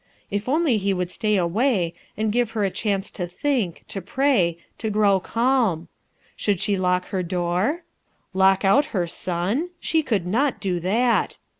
If on *y he would stay away and give her a chance to think, to pray, to grow calm. Should she lock her door? Lock out her son? She could not do that!